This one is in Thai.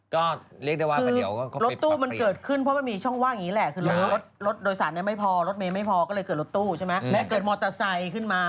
ก็เลยเกิดรถตู้ใช่ไหมแม้เกิดมอเตอร์ไซค์ขึ้นมา